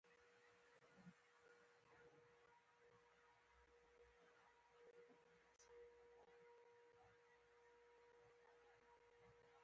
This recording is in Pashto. د جوړې شوې مالګې نوم ولیکئ.